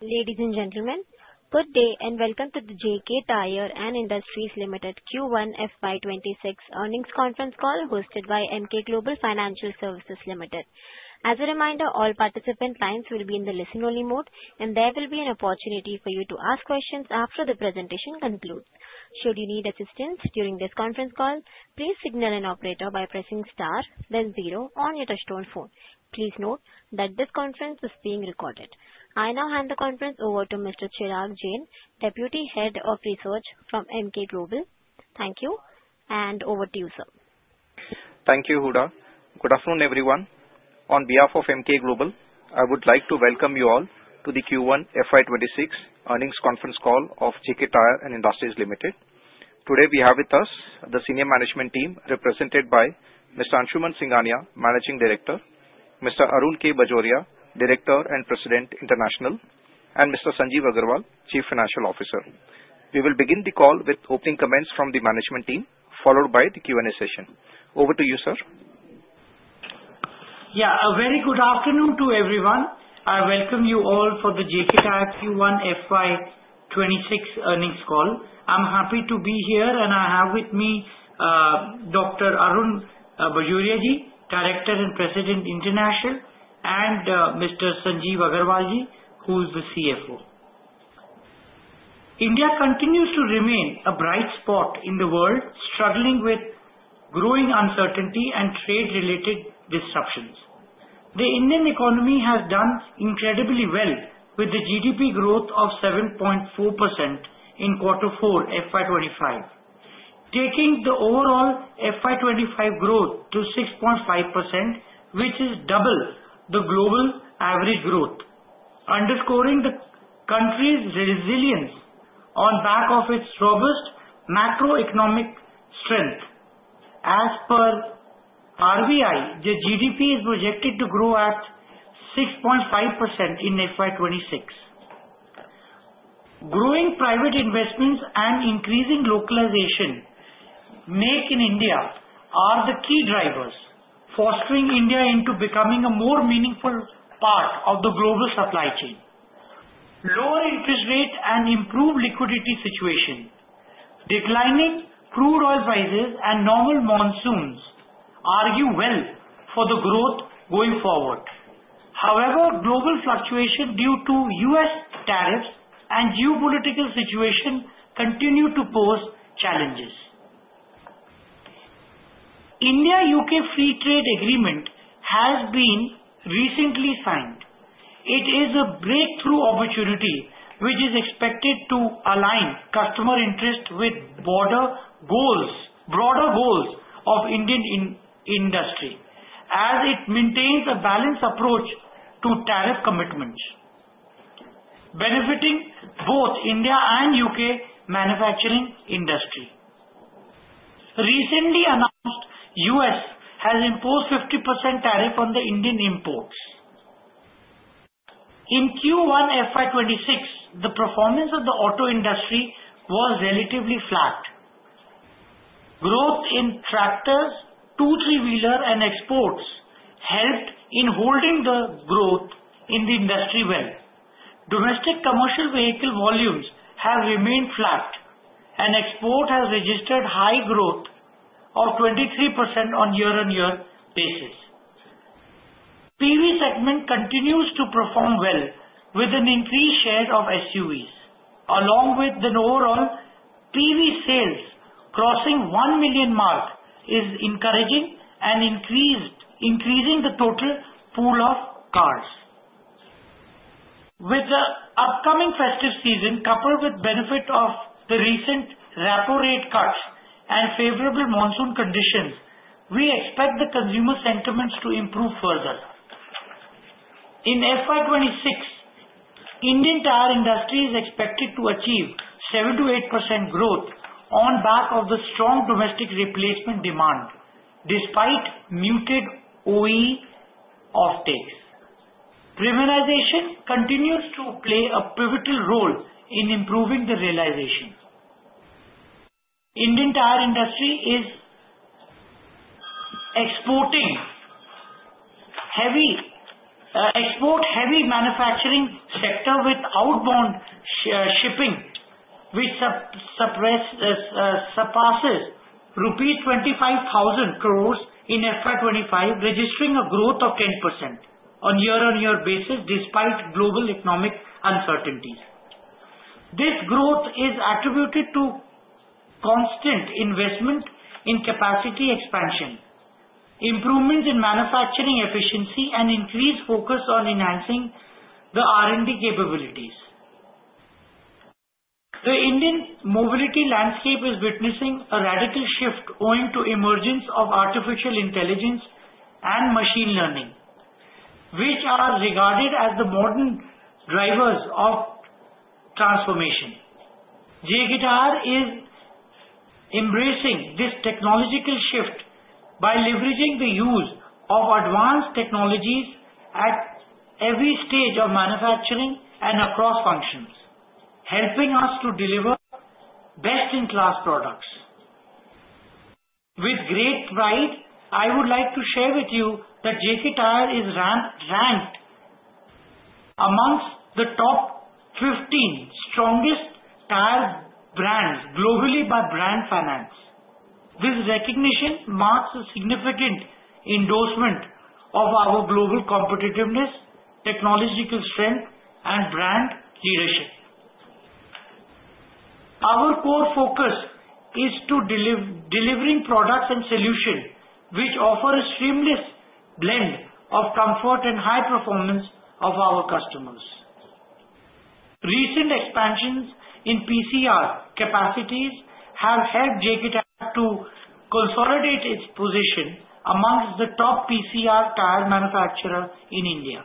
Ladies and gentlemen, good day and welcome to the JK Tyre & Industries Limited FY 2026 earnings conference call hosted by Emkay Global Financial Services Limited. As a reminder, all participant lines will be in the listen-only mode, and there will be an opportunity for you to ask questions after the presentation concludes. Should you need assistance during this conference call, please signal an operator by pressing star, then zero on your touch-tone phone. Please note that this conference is being recorded. I now hand the conference over to Mr. Chirag Jain, Deputy Head of Research from Emkay Global. Thank you, and over to you, sir. Thank you, Huda. Good afternoon, everyone. On behalf of Emkay Global, I would like to welcome you all to the FY 2026 earnings conference call of JK Tyre & Industries Limited. Today, we have with us the senior management team represented by Mr. Anshuman Singhania, Managing Director, Mr. Arun K. Bajoria, Director and President International, and Mr. Sanjeev Aggarwal, Chief Financial Officer. We will begin the call with opening comments from the management team, followed by the Q&A session. Over to you, sir. Yeah, a very good afternoon to everyone. I welcome you all for the JK Tyre FY 2026 earnings call. I'm happy to be here, and I have with me Dr. Arun K. Bajoria, Director and President International, and Mr. Sanjeev Aggarwal, who is the CFO. India continues to remain a bright spot in the world, struggling with growing uncertainty and trade-related disruptions. The Indian economy has done incredibly well with the GDP growth of 7.4% in FY 2025, taking the FY 2025 growth to 6.5%, which is double the global average growth, underscoring the country's resilience on the back of its robust macroeconomic strength. As per RBI, the GDP is projected to grow at 6.5% FY 2026. Growing private investments and increasing localization make India the key drivers, fostering India into becoming a more meaningful part of the global supply chain. Lower interest rates and improved liquidity situation, declining crude oil prices, and normal monsoons argue well for the growth going forward. However, global fluctuation due to U.S. tariffs and geopolitical situation continue to pose challenges. The India-U.K. Free Trade Agreement has been recently signed. It is a breakthrough opportunity which is expected to align customer interests with broader goals of Indian industry, as it maintains a balanced approach to tariff commitments, benefiting both India and U.K. manufacturing industry. Recently announced, the U.S. has imposed a 50% tariff on Indian imports. In FY 2026, the performance of the auto industry was relatively flat. Growth in tractors, two-wheelers, and exports helped in holding the growth in the industry well. Domestic commercial vehicle volumes have remained flat, and export has registered high growth of 23% on a year-on-year basis. The PV segment continues to perform well with an increased share of SUVs, along with the overall PV sales crossing the one million mark, which is encouraging and increasing the total pool of cars. With the upcoming festive season, coupled with the benefit of the recent rapid rate cuts and favorable monsoon conditions, we expect the consumer sentiments to improve further. FY 2026, Indian tire industry is expected to achieve 7%-8% growth on the back of the strong domestic replacement demand, despite muted OE offtakes. Premiumization continues to play a pivotal role in improving the realization. The Indian tire industry is an export-heavy manufacturing sector with outbound shipments, which surpass rupees 25,000 crore FY 2025, registering a growth of 10% on a year-on-year basis, despite global economic uncertainties. This growth is attributed to constant investment in capacity expansion, improvements in manufacturing efficiency, and increased focus on enhancing the R&D capabilities. The Indian mobility landscape is witnessing a radical shift owing to the emergence of artificial intelligence and machine learning, which are regarded as the modern drivers of transformation. JK Tyre is embracing this technological shift by leveraging the use of advanced technologies at every stage of manufacturing and across functions, helping us to deliver best-in-class products. With great pride, I would like to share with you that JK Tyre is ranked amongst the top 15 strongest tire brands globally by Brand Finance. This recognition marks a significant endorsement of our global competitiveness, technological strength, and brand leadership. Our core focus is on delivering products and solutions which offer a seamless blend of comfort and high performance for our customers. Recent expansions in PCR capacities have helped JK Tyre to consolidate its position among the top PCR tire manufacturers in India.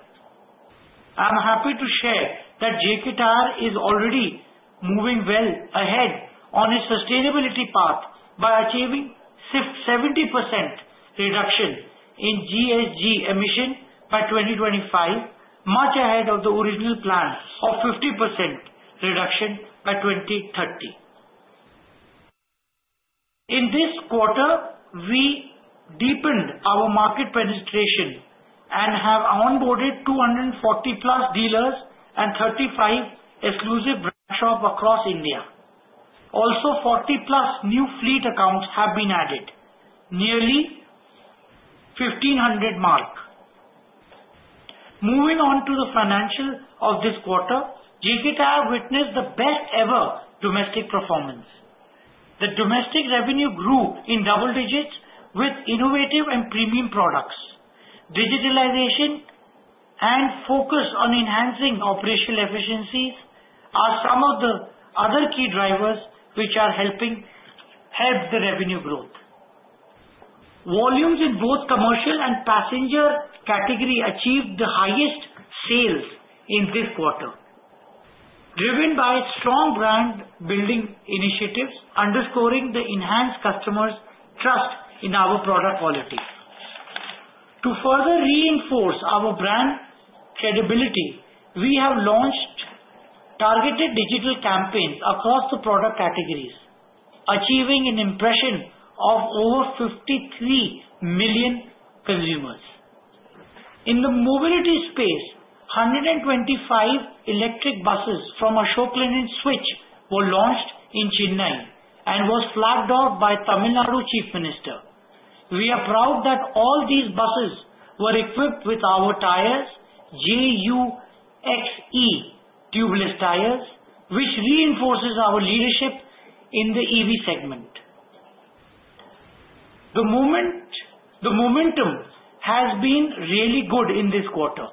I'm happy to share that JK Tyre is already moving well ahead on its sustainability path by achieving a 70% reduction in GHG emissions by 2025, much ahead of the original plan of a 50% reduction by 2030. In this quarter, we deepened our market penetration and have onboarded 240+ dealers and 35 exclusive branch shops across India. Also, 40+ new fleet accounts have been added, nearly 1,500 mark. Moving on to the financials of this quarter, JK Tyre witnessed the best-ever domestic performance. The domestic revenue grew in double digits with innovative and premium products. Digitalization and focus on enhancing operational efficiencies are some of the other key drivers which are helping the revenue growth. Volumes in both commercial and passenger categories achieved the highest sales in this quarter, driven by strong brand-building initiatives, underscoring the enhanced customer's trust in our product quality. To further reinforce our brand credibility, we have launched targeted digital campaigns across the product categories, achieving an impression of over 53 million consumers. In the mobility space, 125 electric buses from Ashok Leyland and Switch Mobility were launched in Chennai and were flagged off by the Tamil Nadu Chief Minister. We are proud that all these buses were equipped with our tires, JUXe tubeless tires, which reinforces our leadership in the EV segment. The momentum has been really good in this quarter.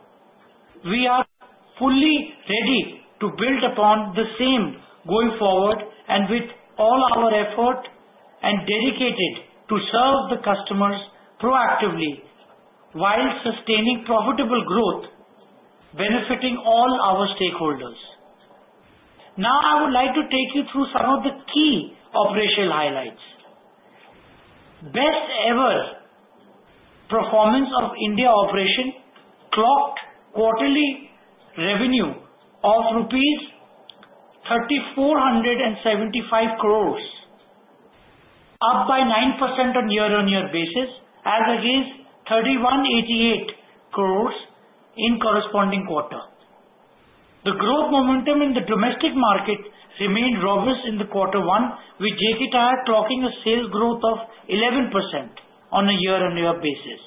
We are fully ready to build upon the same going forward and with all our effort and dedication to serve the customers proactively while sustaining profitable growth, benefiting all our stakeholders. Now, I would like to take you through some of the key operational highlights. Best-ever performance of India operation clocked quarterly revenue of rupees 3,475 crore, up by 9% on a year-on-year basis, as against 3,188 crore in the corresponding quarter. The growth momentum in the domestic market remained robust in Q1, with JK Tyre clocking a sales growth of 11% on a year-on-year basis,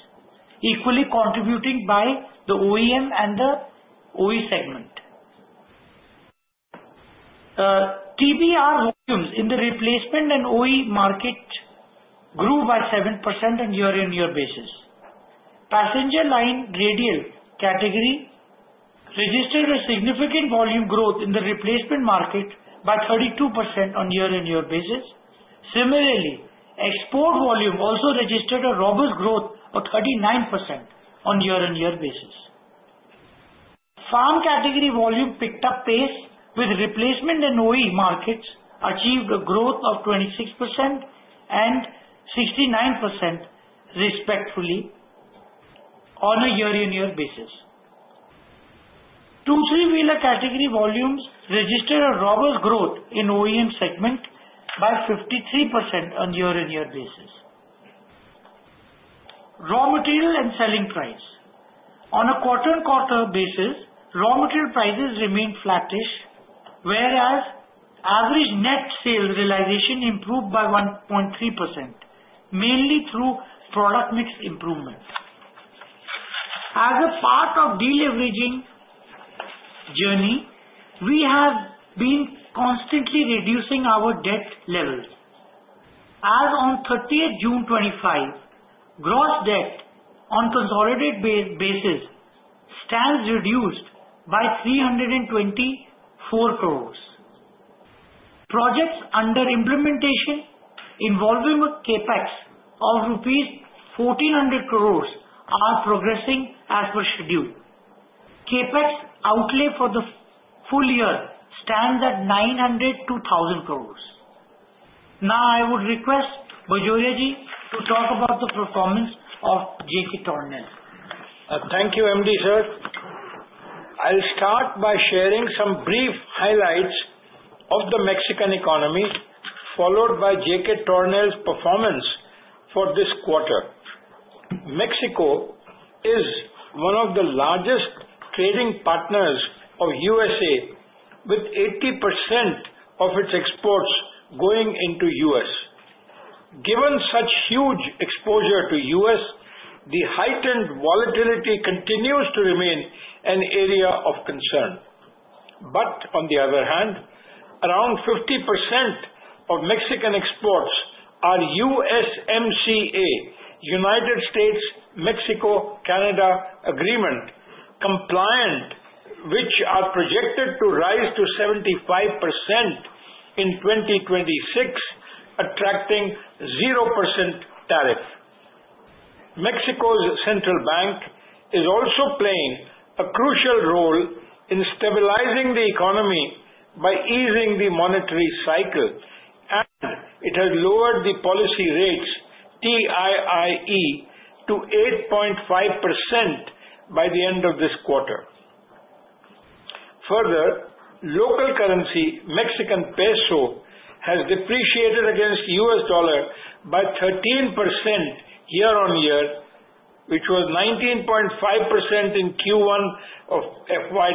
equally contributing by the OEM and the OE segment. TBR volumes in the replacement and OE market grew by 7% on a year-on-year basis. Passenger Car Radial category registered a significant volume growth in the replacement market by 32% on a year-on-year basis. Similarly, export volume also registered a robust growth of 39% on a year-on-year basis. Farm category volume picked up pace with replacement and OE markets, achieving a growth of 26% and 69% respectively on a year-on-year basis. Two- and three-wheeler category volumes registered a robust growth in the OEM segment by 53% on a year-on-year basis. Raw material and selling price: On a quarter-on-quarter basis, raw material prices remained flattish, whereas average net sales realization improved by 1.3%, mainly through product mix improvements. As a part of the deleveraging journey, we have been constantly reducing our debt levels. As of June 30th, 2025, gross debt on a consolidated basis stands reduced by 324 crore. Projects under implementation involving a CapEx of rupees 1,400 crore are progressing as per schedule. CapEx outlay for the full year stands at 902 crore. Now, I would request Bajoria to talk about the performance of JK Tornel. Thank you, MD Sir. I'll start by sharing some brief highlights of the Mexican economy, followed by JK Tornel's performance for this quarter. Mexico is one of the largest trading partners of the USA, with 80% of its exports going into the U.S. Given such huge exposure to the U.S., the heightened volatility continues to remain an area of concern. But on the other hand, around 50% of Mexican exports are USMCA (United States-Mexico-Canada) agreement compliant, which are projected to rise to 75% in 2026, attracting a 0% tariff. Mexico's central bank is also playing a crucial role in stabilizing the economy by easing the monetary cycle, and it has lowered the policy rate (TIIE) to 8.5% by the end of this quarter. Further, local currency, the Mexican peso, has depreciated against the US dollar by 13% year-on-year, which was 19.5% in Q1 FY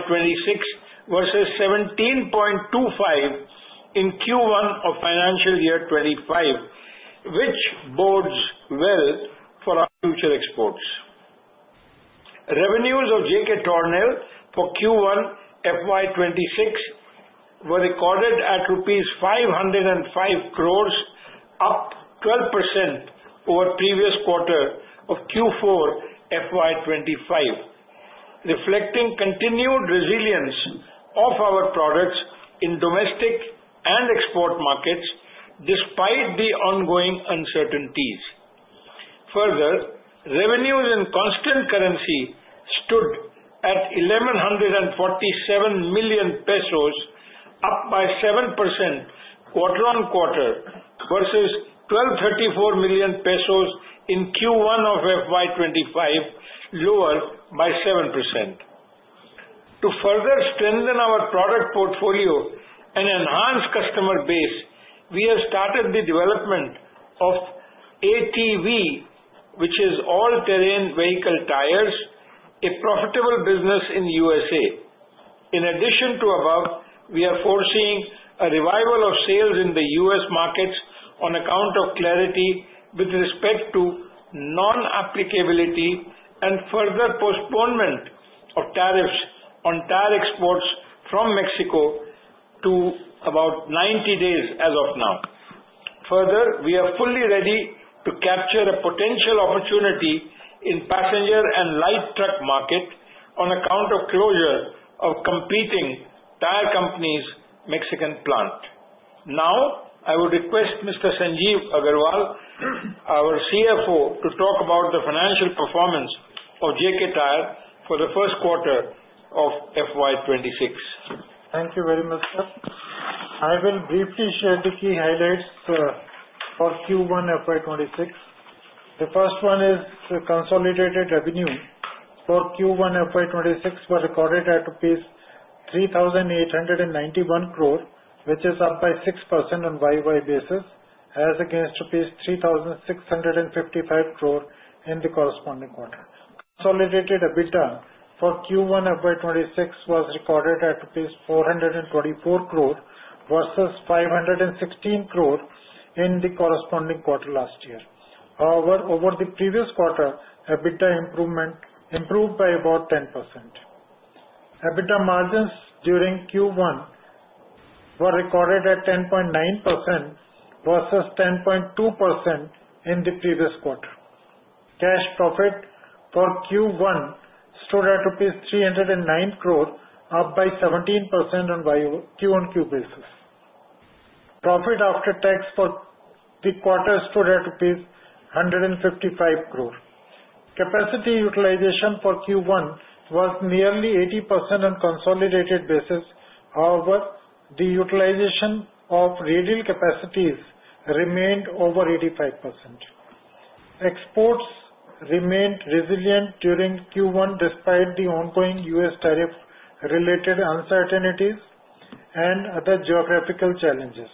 2026 versus 17.25% in Q1 of financial year 2025, which bodes well for our future exports. Revenues of JK Tornel for FY 2026 were recorded at rupees 505 crore, up 12% over the previous quarter of FY 2025, reflecting continued resilience of our products in domestic and export markets despite the ongoing uncertainties. Further, revenues in constant currency stood at INR 1,147 million, up by 7% quarter-on-quarter versus INR 1,234 million in Q1 FY 2025, lower by 7%. To further strengthen our product portfolio and enhance the customer base, we have started the development of ATV, which is all-terrain vehicle tires, a profitable business in the USA. In addition to the above, we are foreseeing a revival of sales in the U.S. markets on account of clarity with respect to non-applicability and further postponement of tariffs on tire exports from Mexico to about 90 days as of now. Further, we are fully ready to capture a potential opportunity in the passenger and light truck market on account of the closure of competing tire companies' Mexican plants. Now, I would request Mr. Sanjeev Aggarwal, our CFO, to talk about the financial performance of JK Tyre for the first quarter of FY 2026. Thank you very much, sir. I will briefly share the key highlights for FY 2026. The first one is the consolidated revenue for FY 2026 was recorded at 3,891 crore, which is up by 6% on a year-on-year basis, as against 3,655 crore in the corresponding quarter. Consolidated EBITDA for FY 2026 was recorded at rupees 424 crore versus 516 crore in the corresponding quarter last year. However, over the previous quarter, EBITDA improved by about 10%. EBITDA margins during Q1 were recorded at 10.9% versus 10.2% in the previous quarter. Cash profit for Q1 stood at INR 309 crore, up by 17% on quarter-on-quarter basis. Profit after tax for the quarter stood at rupees 155 crore. Capacity utilization for Q1 was nearly 80% on a consolidated basis. However, the utilization of radial capacities remained over 85%. Exports remained resilient during Q1 despite the ongoing U.S. tariff-related uncertainties and other geographical challenges.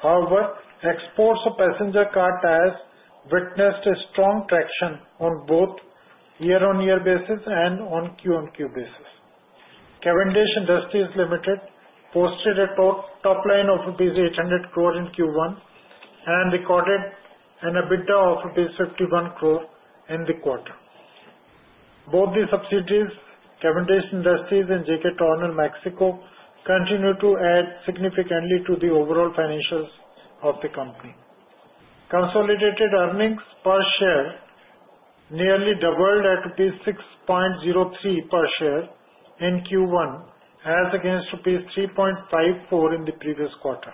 However, exports of passenger car tires witnessed strong traction on both a year-on-year basis and on quarter-on-quarter basis. Cavendish Industries Ltd. posted a top line of INR 800 crore in Q1 and recorded an EBITDA of INR 51 crore in the quarter. Both the subsidiaries, Cavendish Industries and JK Tornel, Mexico, continue to add significantly to the overall financials of the company. Consolidated earnings per share nearly doubled at rupees 6.03 per share in Q1, as against rupees 3.54 in the previous quarter.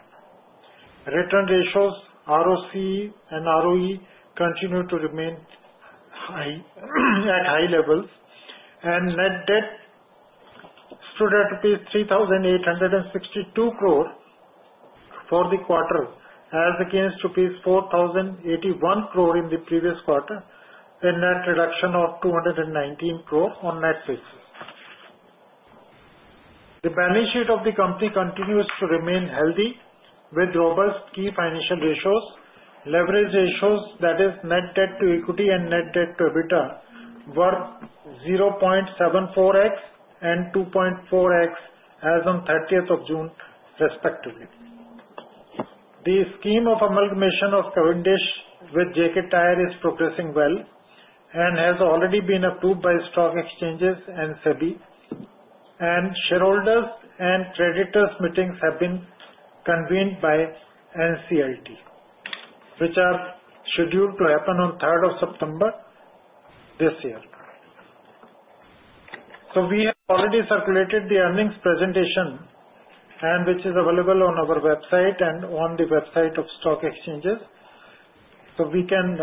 Return ratios, ROCE and ROE, continue to remain at high levels, and net debt stood at rupees 3,862 crore for the quarter, as against rupees 4,081 crore in the previous quarter, a net reduction of 219 crore on a net basis. The balance sheet of the company continues to remain healthy, with robust key financial ratios. Leverage ratios, that is, net debt to equity and net debt to EBITDA, were 0.74x and 2.4x, as of June 30th, respectively. The scheme of amalgamation of Cavendish with JK Tyre is progressing well and has already been approved by stock exchanges and SEBI, and shareholders' and creditors' meetings have been convened by NCLT, which are scheduled to happen on the September 3rd this year. We have already circulated the earnings presentation, which is available on our website and on the website of stock exchanges. We can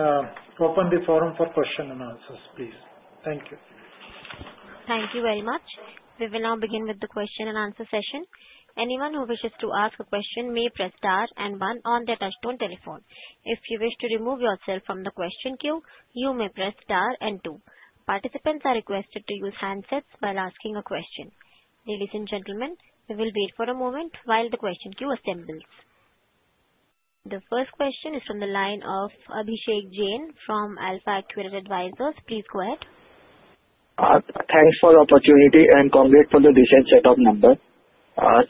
open the forum for questions-and-answers, please. Thank you. Thank you very much. We will now begin with the question-and-answer session. Anyone who wishes to ask a question may press star and one on their touch-tone telephone. If you wish to remove yourself from the question queue, you may press star and two. Participants are requested to use handsets while asking a question. Ladies and gentlemen, we will wait for a moment while the question queue assembles. The first question is from the line of Abhishek Jain from AlfAccurate Advisors. Please go ahead. Thanks for the opportunity and congrats for the decent set of numbers.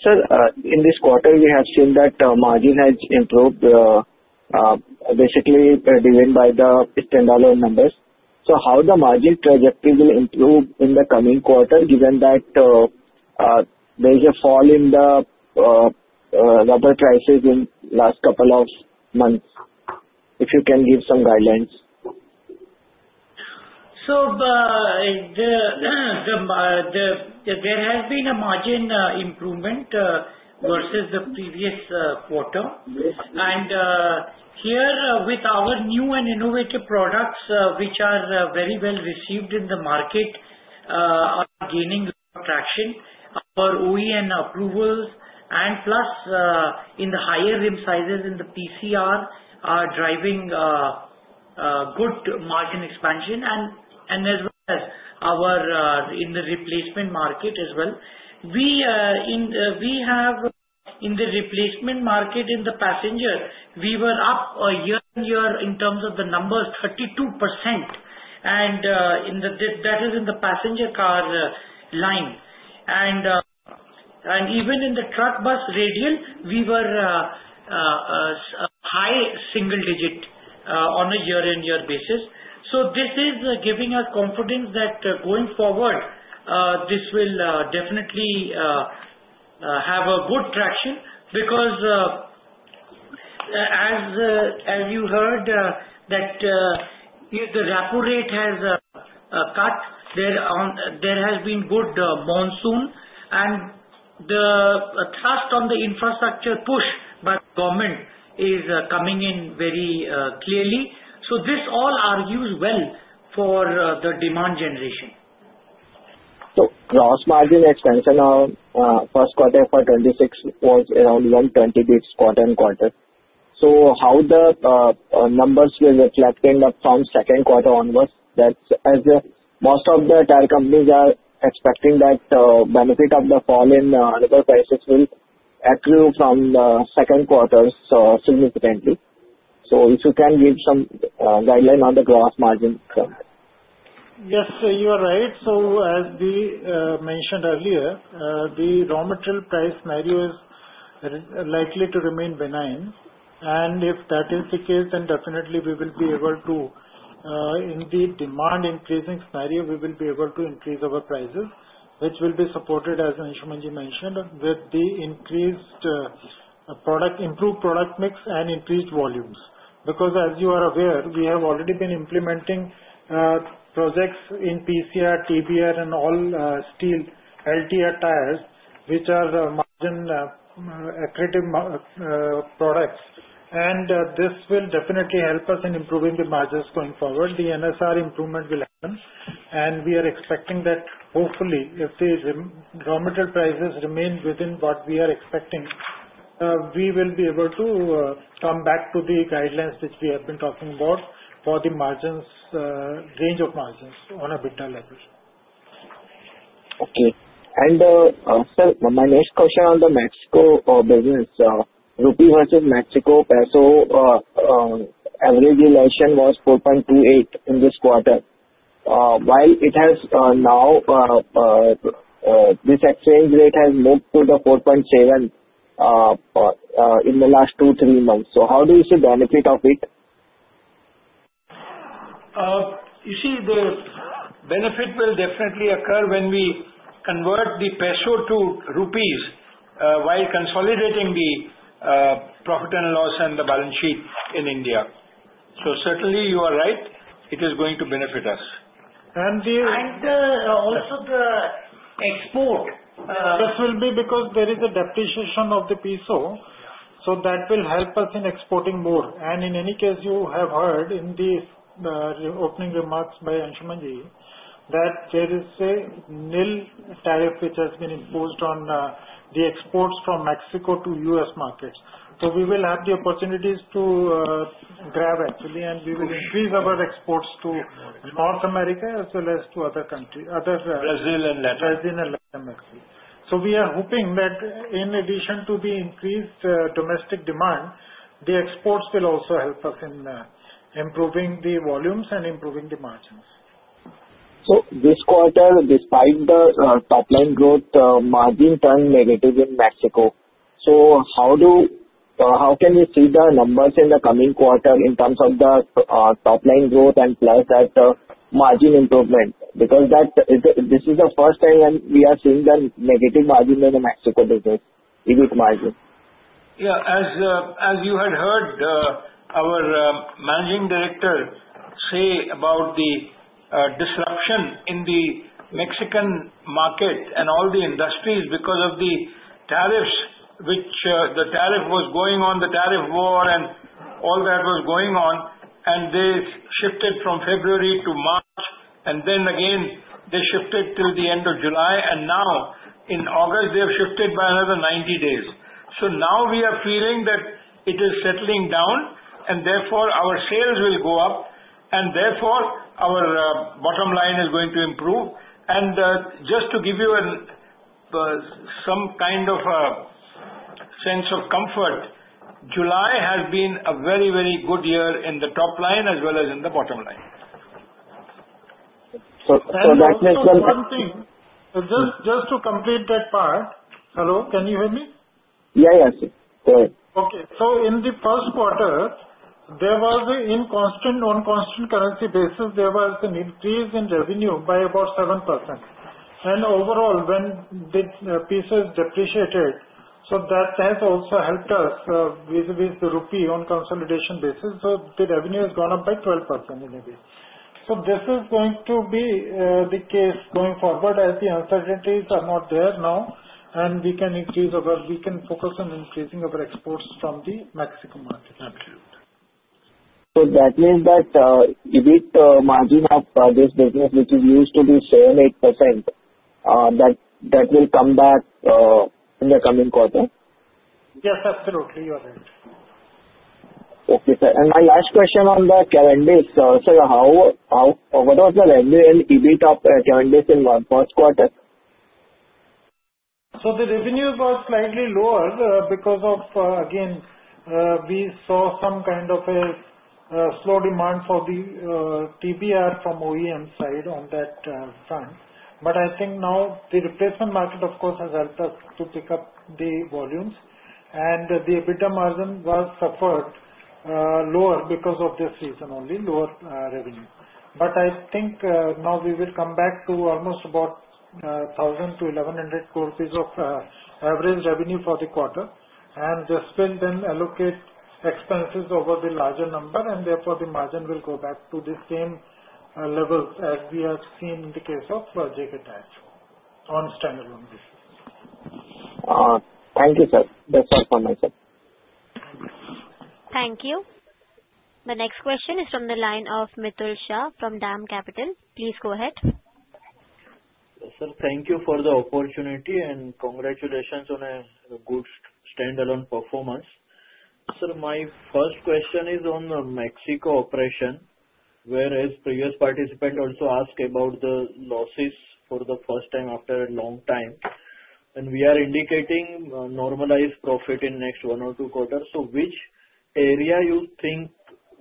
Sir, in this quarter, we have seen that margin has improved, basically driven by the standalone numbers. So, how will the margin trajectory improve in the coming quarter, given that there is a fall in the rubber prices in the last couple of months? If you can give some guidelines? There has been a margin improvement versus the previous quarter, and here, with our new and innovative products, which are very well received in the market, are gaining traction. Our OEM approvals and plus in the higher rim sizes in the PCR are driving good margin expansion, and as well as our in the replacement market as well. We have in the replacement market in the passenger, we were up year-on-year in terms of the numbers, 32%, and that is in the passenger car line, and even in the truck bus radial, we were high single-digit on a year-on-year basis, so this is giving us confidence that going forward, this will definitely have good traction because, as you heard, that the repo rate has cut, there has been good monsoon, and the thrust on the infrastructure push by the government is coming in very clearly. This all argues well for the demand generation. Gross margin expansion on the first quarter for 2026 was around 120 basis points quarter-on-quarter. How the numbers will reflect from the second quarter onwards, that as most of the tire companies are expecting that the benefit of the fall in rubber prices will accrue from the second quarter significantly. If you can give some guidelines on the gross margin from that. Yes, sir, you are right, so, as we mentioned earlier, the raw material price scenario is likely to remain benign, and if that is the case, then definitely we will be able to, in the demand increasing scenario, we will be able to increase our prices, which will be supported, as Anshuman mentioned, with the increased improved product mix and increased volumes. Because, as you are aware, we have already been implementing projects in PCR, TBR, and all steel LTR tires, which are margin-accretive products, and this will definitely help us in improving the margins going forward. The NSR improvement will happen, and we are expecting that, hopefully, if the raw material prices remain within what we are expecting, we will be able to come back to the guidelines which we have been talking about for the margins, range of margins on a better level. Okay. And, sir, my next question on the Mexico business. Rupee versus Mexican peso average relation was 4.28 in this quarter. While it has now, this exchange rate has moved to the 4.7 in the last 2-3 months. So, how do you see the benefit of it? You see, the benefit will definitely occur when we convert the peso to rupees while consolidating the profit and loss and the balance sheet in India. So, certainly, you are right. It is going to benefit us. Also, the export. This will be because there is a depreciation of the peso, so that will help us in exporting more. In any case, you have heard in the opening remarks by Anshuman Singhania that there is a nil tariff which has been imposed on the exports from Mexico to U.S. markets. We will have the opportunities to grab, actually, and we will increase our exports to North America as well as to other countries. Brazil and Latin America. Brazil and Latin America, so we are hoping that in addition to the increased domestic demand, the exports will also help us in improving the volumes and improving the margins. So, this quarter, despite the top-line growth, margins turned negative in Mexico. So, how can we see the numbers in the coming quarter in terms of the top-line growth and plus that margin improvement? Because this is the first time we are seeing the negative margin in the Mexico business, EBIT margin. Yeah, as you had heard our managing director say about the disruption in the Mexican market and all the industries because of the tariffs, which the tariff was going on, the tariff war, and all that was going on. And they shifted from February to March, and then again they shifted till the end of July. And now, in August, they have shifted by another 90 days. So, now we are feeling that it is settling down, and therefore our sales will go up, and therefore our bottom line is going to improve. And just to give you some kind of a sense of comfort, July has been a very, very good year in the top line as well as in the bottom line. So, that makes sense. Just to complete that part, hello? Can you hear me? Yeah, yeah, sir. Go ahead. Okay, so in the first quarter, there was an increase on constant currency basis. There was an increase in revenue by about 7%. And overall, when the pesos depreciated, that has also helped us with the rupee on consolidation basis. The revenue has gone up by 12% in a way. This is going to be the case going forward as the uncertainties are not there now, and we can focus on increasing our exports from the Mexico market. Absolutely. So, that means that EBIT margin of this business, which is used to be 78%, that will come back in the coming quarter? Yes, absolutely. You are right. Okay, sir, and my last question on the Cavendish. Sir, what was the revenue and EBIT of Cavendish in the first quarter? The revenue was slightly lower because of, again, we saw some kind of a slow demand for the TBR from OEM side on that front. But I think now the replacement market, of course, has helped us to pick up the volumes, and the EBITDA margin was suffered lower because of this reason only, lower revenue. But I think now we will come back to almost about 1,000 crore-1,100 crore rupees of average revenue for the quarter, and just will then allocate expenses over the larger number, and therefore the margin will go back to the same levels as we have seen in the case of JK Tyre on standalone basis. Thank you, sir. That's all from my side. Thank you. The next question is from the line of Mitul Shah from DAM Capital. Please go ahead. Sir, thank you for the opportunity, and congratulations on a good standalone performance. Sir, my first question is on the Mexico operation, whereas previous participant also asked about the losses for the first time after a long time, and we are indicating normalized profit in the next 1-2 quarters. So, which area you think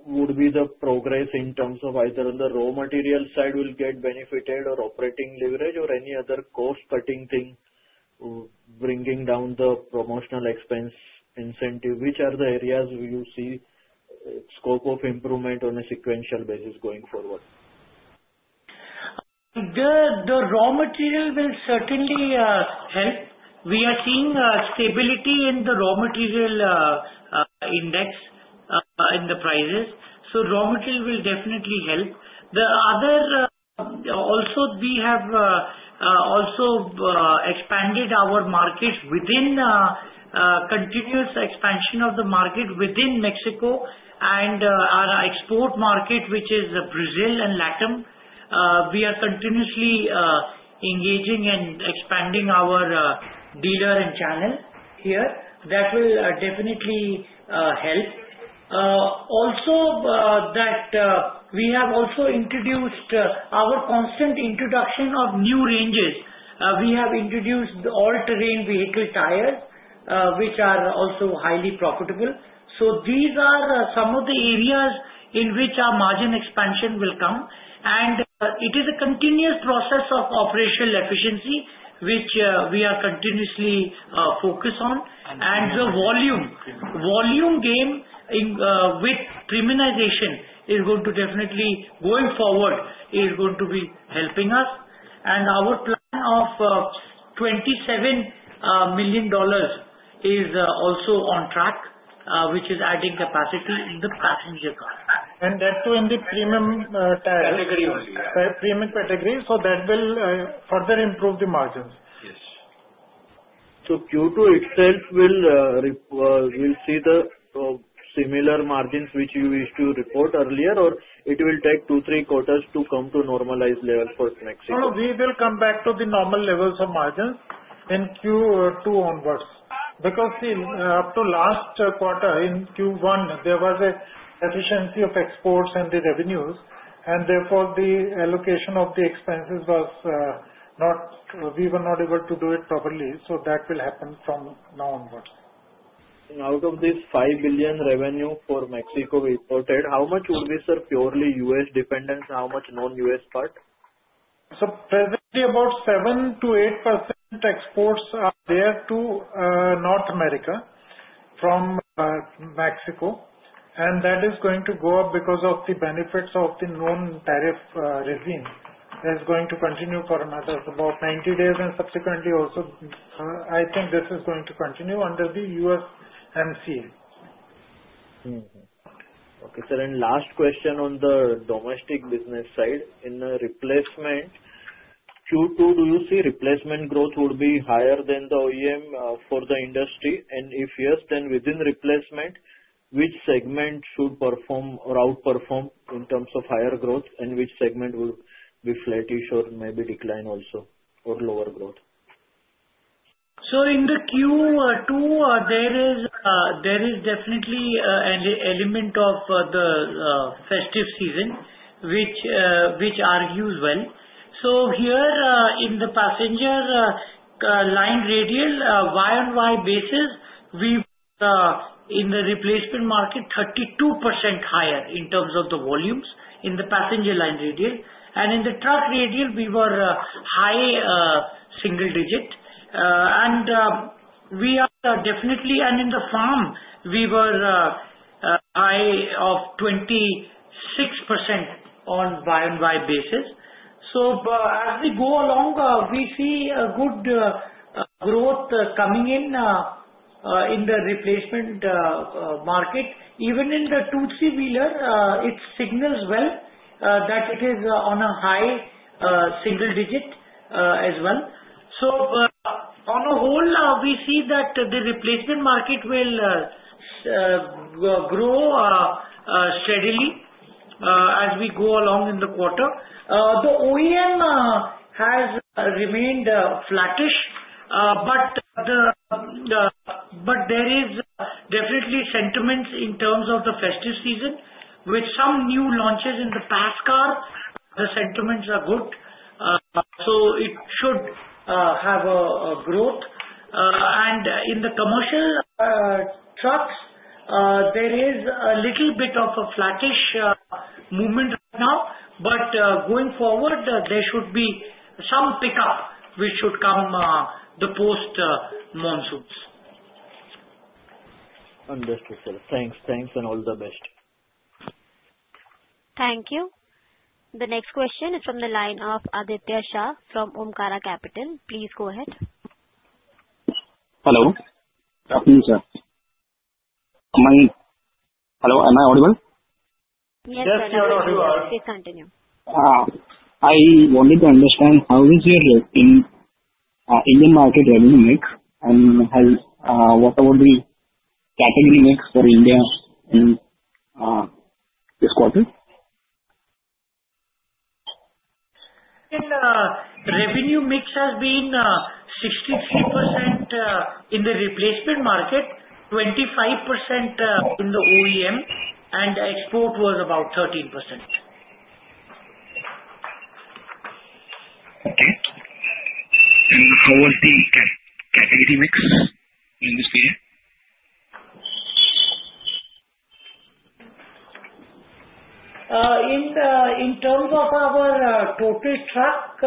would be the progress in terms of either on the raw material side will get benefited or operating leverage or any other cost-cutting thing bringing down the promotional expense incentive? Which are the areas you see scope of improvement on a sequential basis going forward? The raw material will certainly help. We are seeing stability in the raw material index in the prices. So, raw material will definitely help. The other, also, we have also expanded our market within continuous expansion of the market within Mexico and our export market, which is Brazil and LatAm. We are continuously engaging and expanding our dealer and channel here. That will definitely help. Also, that we have also introduced our constant introduction of new ranges. We have introduced all-terrain vehicle tires, which are also highly profitable. So, these are some of the areas in which our margin expansion will come. It is a continuous process of operational efficiency, which we are continuously focused on. The volume gain with premiumization is going to definitely, going forward, is going to be helping us. Our plan of $27 million is also on track, which is adding capacity in the passenger car, and that too in the premium category only. Premium category. So, that will further improve the margins. Yes. Do you think we'll see the similar margins which you wished to report earlier, or it will take 2-3 quarters to come to normalized level for Mexico? We will come back to the normal levels of margins in Q2 onwards. Because up to last quarter in Q1, there was an efficiency of exports and the revenues, and therefore the allocation of the expenses was not. We were not able to do it properly. That will happen from now onwards. Out of this 5 billion revenue for Mexico reported, how much would be, sir, purely U.S. dependence? How much non-U.S. part? Sir, presently, about 7%-8% exports are there to North America from Mexico, and that is going to go up because of the benefits of the known tariff regime. That is going to continue for another about 90 days and subsequently also. I think this is going to continue under the USMCA. Okay, sir. And last question on the domestic business side. In the replacement, Q2, do you see replacement growth would be higher than the OEM for the industry? And if yes, then within replacement, which segment should perform or outperform in terms of higher growth, and which segment would be flattish or maybe decline also or lower growth? Sir, in the Q2, there is definitely an element of the festive season, which argues well. So, here in the passenger car radial, year-on-year basis, we were in the replacement market 32% higher in terms of the volumes in the passenger car radial. And in the truck radial, we were high single-digit. And we are definitely, and in the farm, we were high of 26% on year-on-year basis. So, as we go along, we see a good growth coming in in the replacement market. Even in the two-wheeler, it signals well that it is on a high single-digit as well. So, on a whole, we see that the replacement market will grow steadily as we go along in the quarter. The OEM has remained flattish, but there is definitely sentiment in terms of the festive season with some new launches in the passenger car. The sentiments are good. So, it should have a growth. And in the commercial trucks, there is a little bit of a flattish movement right now, but going forward, there should be some pickup which should come the post monsoons. Understood, sir. Thanks. Thanks, and all the best. Thank you. The next question is from the line of Aditya Shah from Omkara Capital. Please go ahead. Hello. Yes, sir. Am I? Hello. Am I audible? Yes, sir. Yes, you are audible. Please continue. I wanted to understand how is your Indian market revenue mix, and what would the category mix for India in this quarter? The revenue mix has been 63% in the replacement market, 25% in the OEM, and export was about 13%. Okay. And how was the category mix in this year? In terms of our total truck,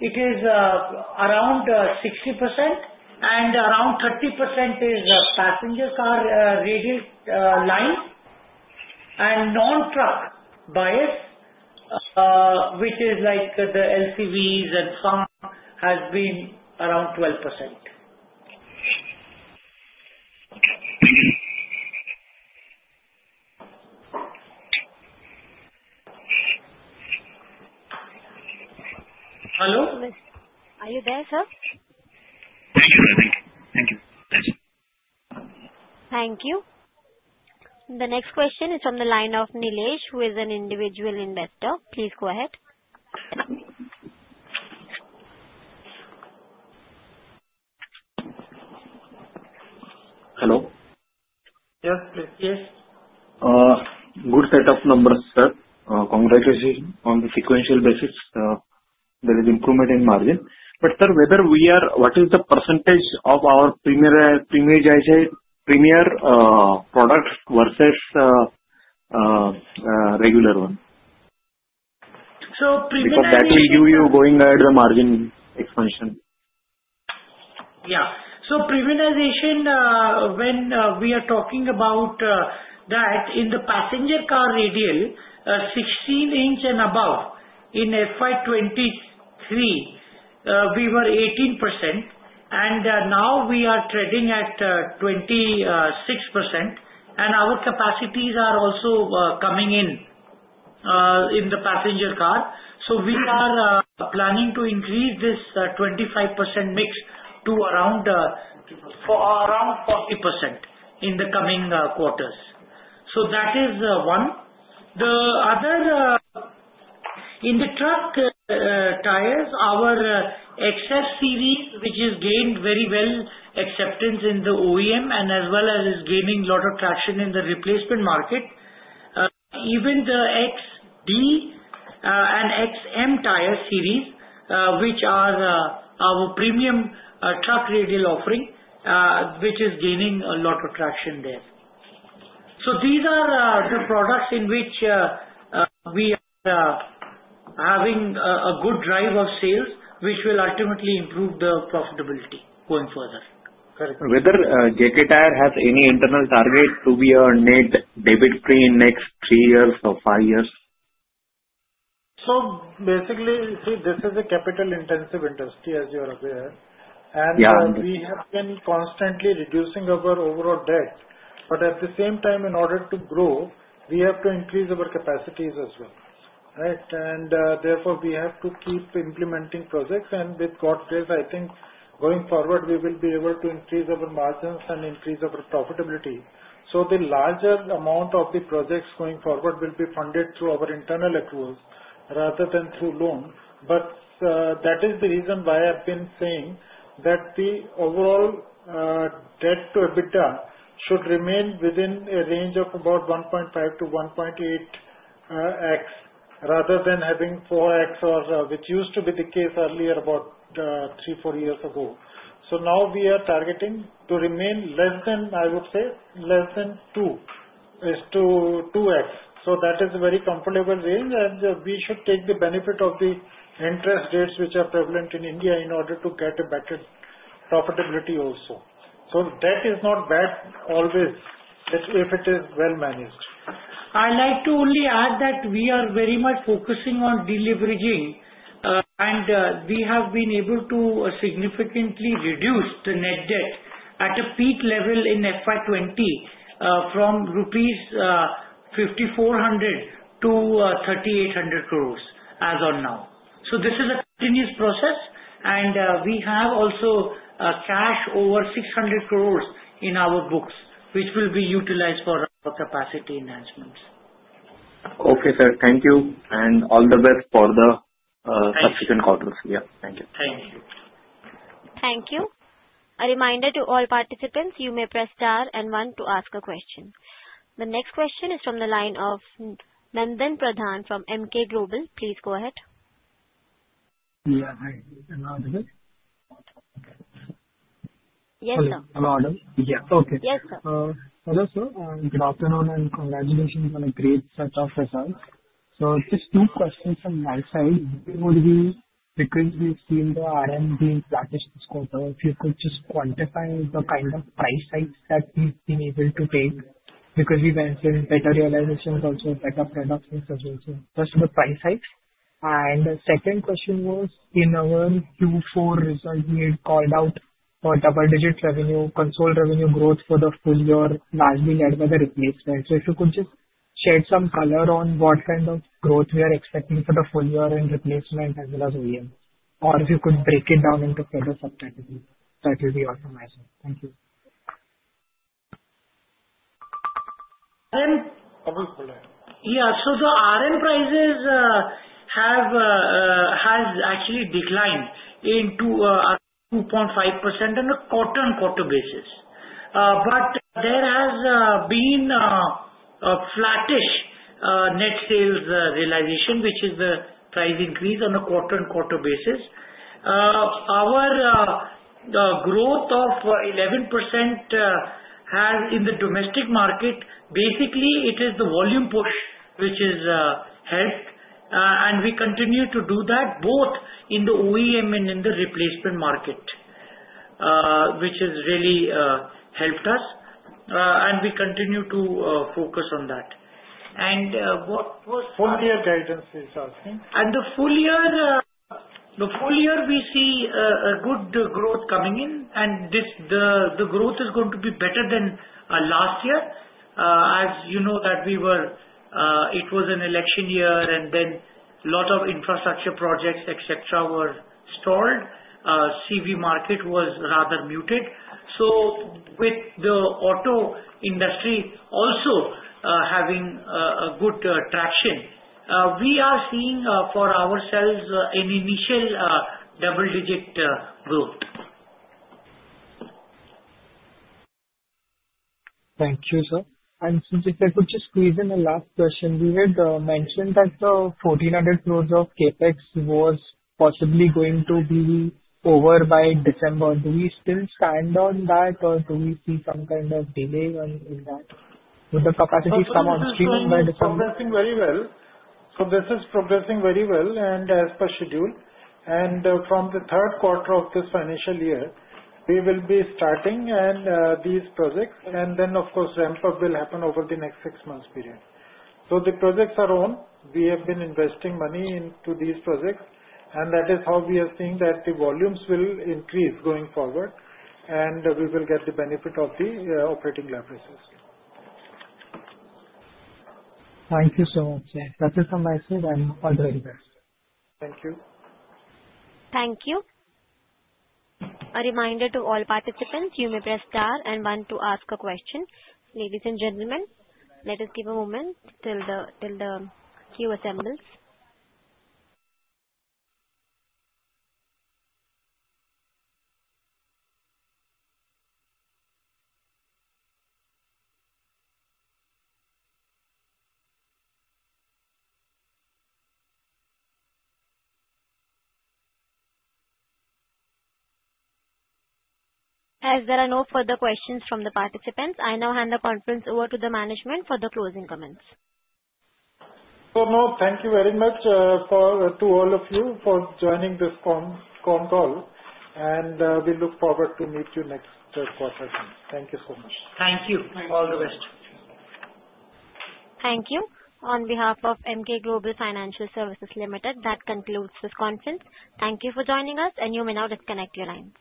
it is around 60%, and around 30% is passenger car radial line and non-truck buyers, which is like the LCVs and farm, has been around 12%. Hello? Are you there, sir? Thank you. Thank you. The next question is from the line of Nilesh, who is an individual investor. Please go ahead. Hello? Yes, please. Yes. Good setup numbers, sir. Congratulations on the sequential basis. There is improvement in margin. But sir, what is the percentage of our premium product versus regular one? So, premiumization. Because that will give you, going ahead, the margin expansion. Yeah. So, premiumization, when we are talking about that, in the passenger car radial, 16-inch and above, FY 2023, we were 18%, and now we are trading at 26%, and our capacities are also coming in in the passenger car, so we are planning to increase this 25% mix to around 40% in the coming quarters. That is one. The other in the truck tires, our XF Series, which has gained very well acceptance in the OEM and as well as is gaining a lot of traction in the replacement market, even the XD Series and XM Series tires, which are our premium truck radial offering, which is gaining a lot of traction there, so these are the products in which we are having a good drive of sales, which will ultimately improve the profitability going further. Correct. Whether JK Tyre has any internal target to be a net debt-free in next three years or five years? So, basically, see, this is a capital-intensive industry, as you are aware. And we have been constantly reducing our overall debt. But at the same time, in order to grow, we have to increase our capacities as well. Right? And therefore, we have to keep implementing projects. And with God bless, I think going forward, we will be able to increase our margins and increase our profitability. So, the larger amount of the projects going forward will be funded through our internal accruals rather than through loan. But that is the reason why I've been saying that the overall debt to EBITDA should remain within a range of about 1.5-1.8X rather than having 4X, which used to be the case earlier about three, four years ago. So, now we are targeting to remain less than, I would say, less than 2X. That is a very comfortable range, and we should take the benefit of the interest rates, which are prevalent in India, in order to get a better profitability also. Debt is not bad always if it is well-managed. I'd like to only add that we are very much focusing on deleveraging, and we have been able to significantly reduce the net debt at a peak level FY 2020 from rupees 5,400 crore to 3,800 crore as of now. This is a continuous process, and we have also cash over 600 crore in our books, which will be utilized for our capacity enhancements. Okay, sir. Thank you, and all the best for the subsequent quarters. Yeah. Thank you. Thank you. Thank you. A reminder to all participants, you may press star and one to ask a question. The next question is from the line of Nandan Pradhan from Emkay Global. Please go ahead. Yeah. Hi. Can I add a bit? Yes, sir. Can I add a bit? Yes. Okay. Yes, sir. Hello, sir. Good afternoon, and congratulations on a great set of results. So, just two questions on my side. Because we've seen the RM being flattish this quarter, if you could just quantify the kind of price hikes that we've been able to take, because we mentioned better realizations, also better products as well. So, first, the price hikes. And the second question was, in our Q4 results, we had called out for double-digit revenue, consolidated revenue growth for the full year largely led by the replacement. So, if you could just shed some color on what kind of growth we are expecting for the full year and replacement as well as OEM, or if you could break it down into further subcategories, that will be all from my side. Thank you. RM? RM, go ahead. Yeah, so the RM prices have actually declined into 2.5% on a quarter-on-quarter basis, but there has been a flattish net sales realization, which is the price increase on a quarter-on-quarter basis. Our growth of 11% in the domestic market, basically, it is the volume push which has helped, and we continue to do that both in the OEM and in the replacement market, which has really helped us, and we continue to focus on that and what was. Full-year guidance is asking. The full year, we see good growth coming in, and the growth is going to be better than last year. As you know, it was an election year, and then a lot of infrastructure projects, etc., were stalled. CV market was rather muted. With the auto industry also having good traction, we are seeing for ourselves an initial double-digit growth. Thank you, sir. And if I could just squeeze in a last question. We had mentioned that the 1,400 crore of CapEx was possibly going to be over by December. Do we still stand on that, or do we see some kind of delay in that? Will the capacity come on stream by December? It's progressing very well, so this is progressing very well and as per schedule, and from the third quarter of this financial year, we will be starting these projects, and then, of course, ramp-up will happen over the next six months' period, so the projects are on. We have been investing money into these projects, and that is how we are seeing that the volumes will increase going forward, and we will get the benefit of the operating leverages. Thank you so much, sir. That is all my side. I'm all the way there. Thank you. Thank you. A reminder to all participants, you may press star and one to ask a question. Ladies and gentlemen, let us give a moment till the queue assembles. As there are no further questions from the participants, I now hand the conference over to the management for the closing comments. No. Thank you very much to all of you for joining this con call, and we look forward to meeting you next quarter. Thank you so much. Thank you. All the best. Thank you. On behalf of Emkay Global Financial Services Limited, that concludes this conference. Thank you for joining us, and you may now disconnect your lines.